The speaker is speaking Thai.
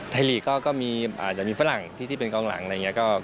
ลีกก็อาจจะมีฝรั่งที่เป็นกองหลังอะไรอย่างนี้